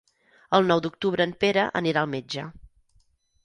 El nou d'octubre en Pere anirà al metge.